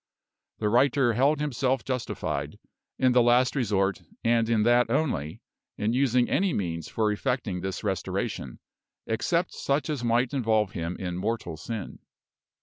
The writer held himself justified, in the last resort, and in that only, in using any means for effecting this restoration, except such as might involve him in mortal sin.